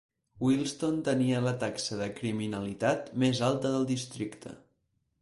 Wealdstone tenia la taxa de criminalitat més alta del districte.